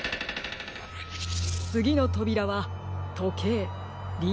つぎのとびらはとけいりんご